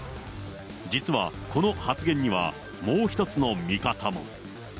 実はこの発言には、もう１つの味方も。